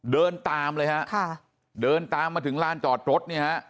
เดินตามเลยค่ะเดินตามมาถึงล่านจอดทด